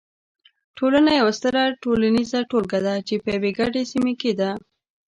ټولنه یوه ستره ټولنیزه ټولګه ده چې په یوې ګډې سیمې کې ده.